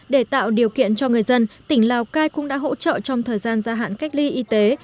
để tạo điều kiện cho người dân tỉnh lào cai cũng đã hỗ trợ trong thời gian gia hạn cách ly y tế